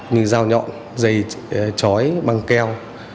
như dao nhọn dây chói băng keo